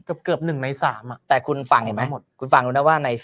ก็เกิบ๑น้อยสามเลยแต่คุณฟังไว้หมดคุณฟังรู้นะว่าใน